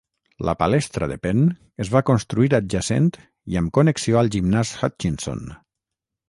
La Palestra de Penn es va construir adjacent i amb connexió al gimnàs Hutchinson.